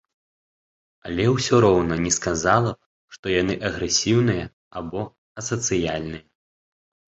Але ўсё роўна не сказала б, што яны агрэсіўныя або асацыяльныя.